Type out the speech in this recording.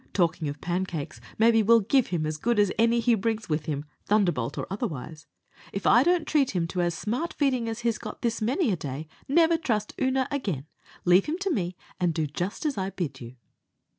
Talking of pancakes, maybe we'll give him as good as any he brings with him thunderbolt or otherwise. If I don't treat him to as smart feeding as he's got this many a day, never trust Oonagh again. Leave him to me, and do just as I bid you."